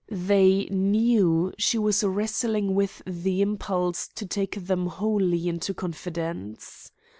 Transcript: They knew she was wrestling with the impulse to take them wholly into confidence.